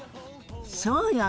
そうよね！